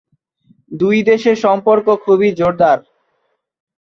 দুই দেশের সম্পর্ক খুবই জোরদার।